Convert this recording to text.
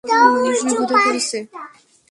মানুষ বিপদে পড়েছে।